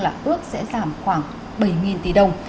là ước sẽ giảm khoảng bảy tỷ đồng